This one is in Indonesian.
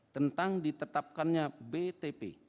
tentang ditetapkannya btp